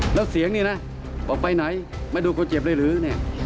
แล้วเสียงนี่นะบอกไปไหนมาดูคนเจ็บเลยหรือเนี่ย